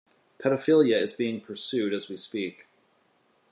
Pedophilia is being pursued as we speak ...